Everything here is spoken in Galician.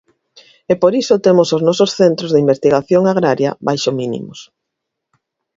E por iso temos os nosos centros de investigación agraria baixo mínimos.